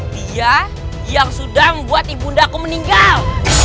dia yang sudah membuat ibu bundaku meninggal